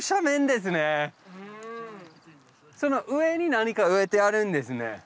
その上に何か植えてあるんですね。